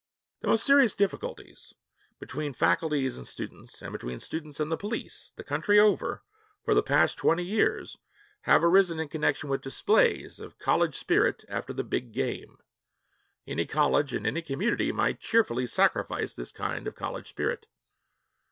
The most serious difficulties between faculties and students and between students and the police, the country over, for the past twenty years, have arisen in connection with displays of 'college spirit' after the 'big game.' Any college and any community might cheerfully sacrifice this kind of college spirit.